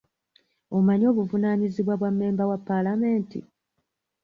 Omanyi obuvunaanyizibwa bwa mmemba wa palamenti?